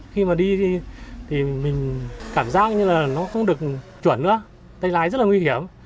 khi mà đi thì mình cảm giác như là nó không được chuẩn nữa tay lái rất là nguy hiểm